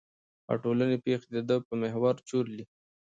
او ټولې پېښې د ده په محور چورلي.